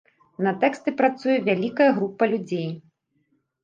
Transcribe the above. На тэксты працуе вялікая група людзей.